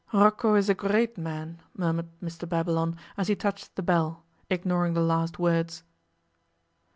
'Rocco is a great man,' murmured Mr Babylon as he touched the bell, ignoring the last words.